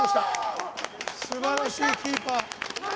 すばらしいキーパー。